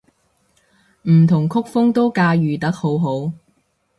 唔同曲風都駕馭得好好